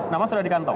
nama sudah di kantong